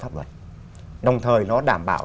pháp luật đồng thời nó đảm bảo